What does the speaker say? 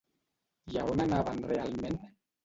I a on anaven realment?